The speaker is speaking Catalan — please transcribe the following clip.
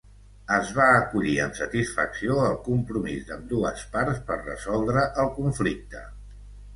Es va acollir amb satisfacció el compromís d'ambdues parts per resoldre el conflicte.